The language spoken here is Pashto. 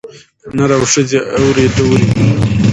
پر نر او ښځي اوري دُرې دي